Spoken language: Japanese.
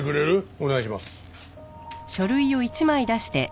お願いします。